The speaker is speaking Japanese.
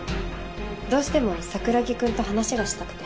どうしても桜木くんと話がしたくて。